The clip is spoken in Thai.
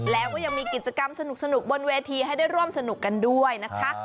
แล้วก็ยังมีกิจกรรมสนุกบนเวทีให้ได้ร่วมสนุกกันด้วยนะคะ